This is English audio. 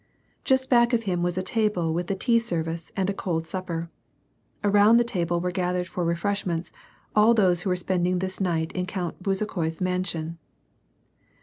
Just back of him was a table with the tea ser vice and a cold supper. Around the table were gathered for refreshments all those who were spending this night in Count Bezukhoi's mansion.